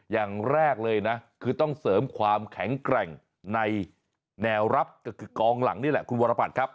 อย่างแรกเลยนะคือต้องเสริมความแข็งแกร่งในแนวรับก็คือกองหลังนี่แหละคุณวรพัฒน์ครับ